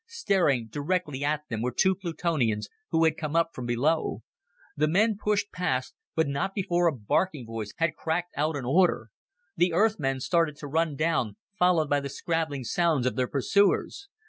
Staring directly at them were two Plutonians who had come up from below. The men pushed past, but not before a barking voice had cracked out an order. The Earthmen started to run down, followed by the scrabbling sounds of their pursuers.